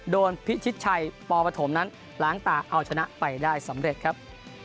พิชิตชัยปปฐมนั้นล้างตาเอาชนะไปได้สำเร็จครับ